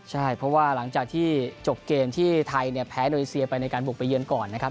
ใช่เพราะว่าหลังจากที่จบเกมที่ไทยเนี่ยแพ้โดนีเซียไปในการบุกไปเยือนก่อนนะครับ